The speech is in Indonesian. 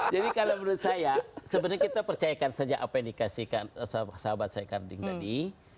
jadi kalau menurut saya sebenarnya kita percayakan saja apa yang dikasihkan sahabat saya karding tadi